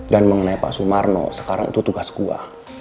dan mengenai pak sumarno sekarang itu tugas gua